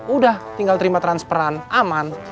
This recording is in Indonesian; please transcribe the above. udah tinggal terima transperan aman